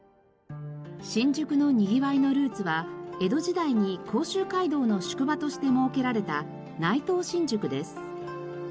新宿のにぎわいのルーツは江戸時代に甲州街道の宿場として設けられた内藤新宿です。